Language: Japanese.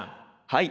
はい。